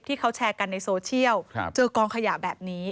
ที่เขาแชร์กันในโซเชียลเจอกองขยะแบบนี้